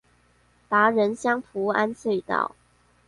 達仁鄉菩安隧道